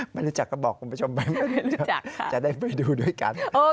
ไม่รู้จักก็บอกคุณผู้ชมไปไม่รู้จักจะได้ไปดูด้วยกัน